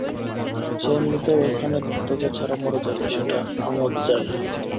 সে এমনিতেও এখানে তোকে ছাড়া মরে যাবে, সেটা আমজ জানি।